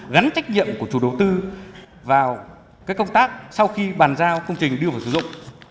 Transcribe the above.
gắn trách nhiệm của chủ đầu tư vào công tác sau khi bàn giao công trình đưa vào sử dụng